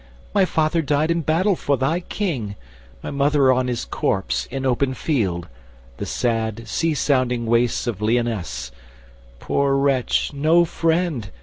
My father died in battle for thy King, My mother on his corpse—in open field, The sad sea sounding wastes of Lyonnesse— Poor wretch—no friend!